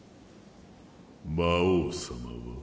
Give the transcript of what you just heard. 魔王様は？